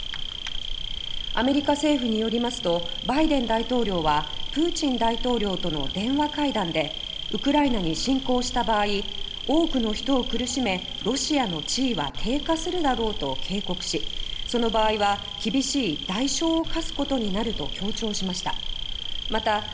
アメリカ政府によりますとバイデン大統領はプーチン大統領との電話会談でウクライナに侵攻した場合多くの人を苦しめロシアの地位は低下するだろうと警告しその場合は厳しい代償を課すことになると強調しました。